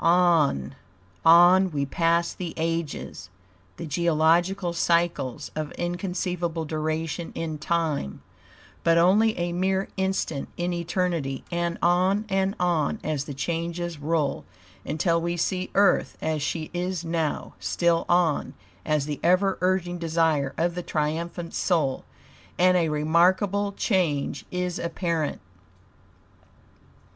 On, on we pass the ages, the geological cycles of inconceivable duration in time, but only a mere instant in eternity; and on and on, as the changes roll, until we see Earth as she is now; still on, at the ever urging desire of the triumphant Soul, and a remarkable change is apparent.